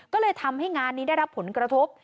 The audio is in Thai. ก็เลยทำให้งานนี้ได้รับผลกระทบ